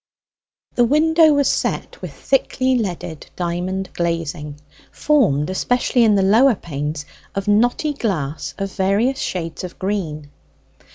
The window was set with thickly leaded diamond glazing, formed, especially in the lower panes, of knotty glass of various shades of green.